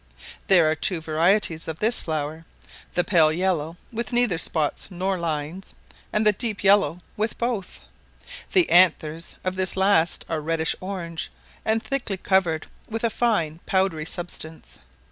There are two varieties of this flower, the pale yellow, with neither spots nor lines, and the deep yellow with both; the anthers of this last are reddish orange, and thickly covered with a fine powdery substance.